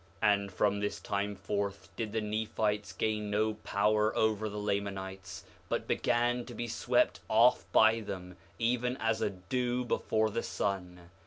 4:18 And from this time forth did the Nephites gain no power over the Lamanites, but began to be swept off by them even as a dew before the sun.